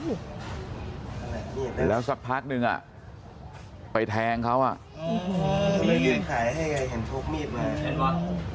เห็นแล้วสักพักนึงอ่ะไปแทงเขาอ่ะอืมมีดขายให้ให้เห็นทบมีดมา